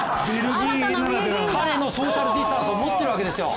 彼もソーシャルディスタンスを持っているわけです。